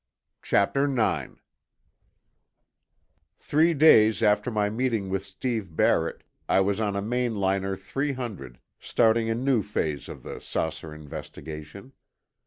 CHAPTER IX Three days after my meeting with Steve Barrett, I was on a Mainliner 300, starting, a new phase of the saucer investigation.